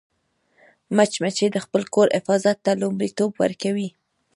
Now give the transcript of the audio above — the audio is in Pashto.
مچمچۍ د خپل کور حفاظت ته لومړیتوب ورکوي